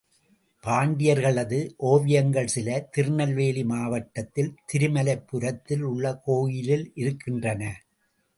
பாண்டியர்களது ஓவியங்கள் சில திருநெல்வேலி மாவட்டத்தில் திருமலைப்புரத்தில் உள்ள கோயிலில் இருக்கின்றன.